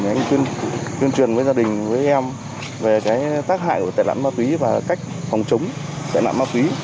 anh tuyên truyền với gia đình với em về tác hại của tài nạn ma túy và cách phòng chống tài nạn ma túy